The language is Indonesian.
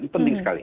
ini penting sekali